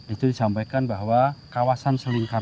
itu disampaikan bahwa kawasan selingkar